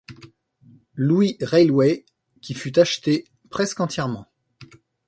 Louis Railway qui fut achetée presque entièrement.